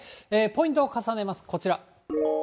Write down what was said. ポイントを重ねます、こちら。